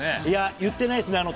いや、言ってないですね。